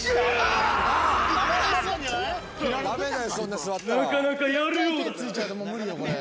なかなかやるようだな。